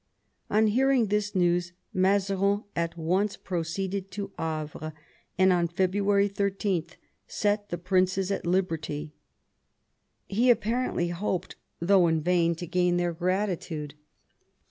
On hearing this news, Mazarin at once proceeded to Havre, and on February 13 set the princes at liberty. He apparently hoped, though in vain, to gain their gratitude.